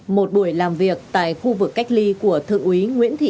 một buổi làm việc tại khu vực cách ly của thượng úy nguyễn thị